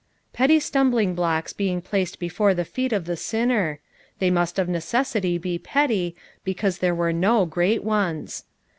Petty stumbling blocks being placed before the feet of the sinner; — they must of necessity be petty, because there were no great ones.